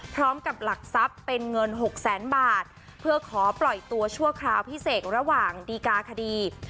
สำหรับหลักทรัพย์เป็นเงินหกแสนบาทเพื่อขอปล่อยตัวชั่วคราวพิเศษระหว่างดีกาคดี